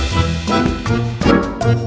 patah gue perlih